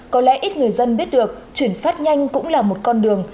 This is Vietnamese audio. có lẽ ít người dân biết được chuyển phát nhanh cũng là một con đường